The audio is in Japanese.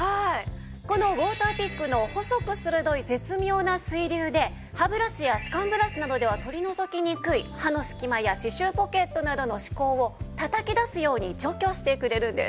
このウォーターピックの細く鋭い絶妙な水流で歯ブラシや歯間ブラシなどでは取り除きにくい歯の隙間や歯周ポケットなどの歯垢をたたき出すように除去してくれるんです。